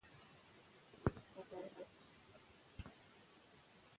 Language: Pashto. شپېلۍ په درو کې اواز کوي.